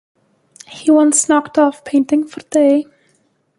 He at once knocked off painting for the day.